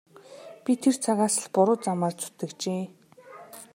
Би тэр цагаас л буруу замаар зүтгэжээ.